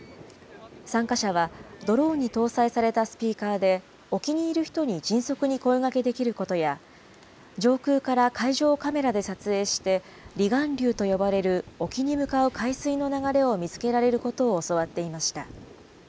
参加者はドローンに搭載されたスピーカーで、沖にいる人に迅速に声がけできることや、上空から海上をカメラで撮影して、離岸流と呼ばれる沖に向かう海水の流れを見つけられることを教わっていました。